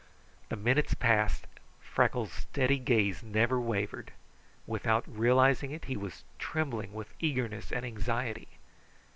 The minutes passed. Freckles' steady gaze never wavered. Without realizing it, he was trembling with eagerness and anxiety.